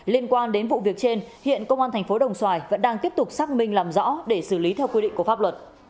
liên quan đến vụ việc trên hiện công an thành phố đồng xoài vẫn đang tiếp tục xác minh làm rõ để xử lý theo quy định của pháp luật